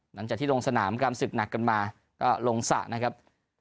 หลังจากที่ลงสนามกรรมศึกหนักกันมาก็ลงสระนะครับ